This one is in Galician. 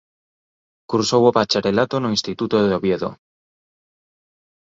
Cursou o bacharelato no Instituto de Oviedo.